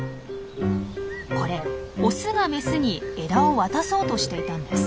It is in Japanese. これオスがメスに枝を渡そうとしていたんです。